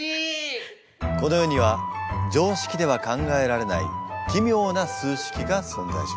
この世には常識では考えられない奇妙な数式が存在します。